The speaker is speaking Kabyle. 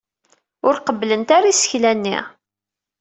Ur qebblent ara isefka-nni.